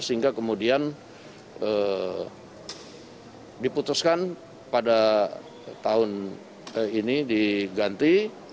sehingga kemudian diputuskan pada tahun ini diganti